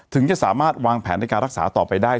ถึงจะสามารถวางแผนในการรักษาต่อไปได้